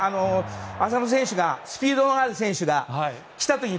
浅野選手が、スピードのある選手が来たという。